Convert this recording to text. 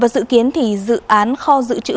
dự kiến dự án kho dự trữ